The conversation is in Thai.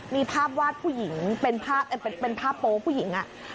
มีภาพวาดผู้หญิงเป็นภาพโป๊ผู้หญิง